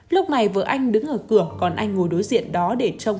lúc này vợ anh đứng ở cửa còn anh ngồi đối diện